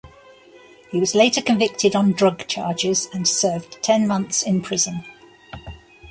He was later convicted on drug charges and served ten months in prison.